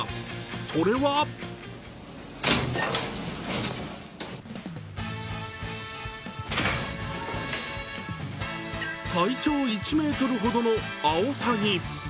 それは体長１ｍほどのアオサギ。